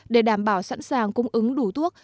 để đảm bảo sẵn sàng cung ứng đủ thuốc